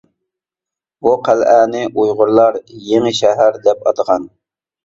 بۇ قەلئەنى ئۇيغۇرلار «يېڭى شەھەر» دەپ ئاتىغان.